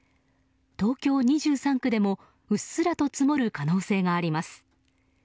東京２３区でも、うっすらと積もる可能性があります。